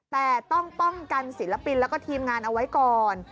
แต่ต้องป้องกันศิลปินแล้วก็ทีมงานเอาไว้ก่อน